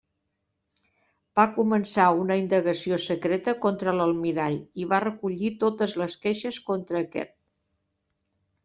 Va començar una indagació secreta contra l'Almirall i va recollir totes les queixes contra aquest.